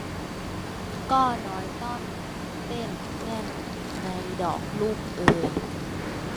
ก็น้อยต้อนเต้นแน่นในดอกลูกเอ๋ย